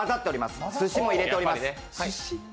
すしも入れております。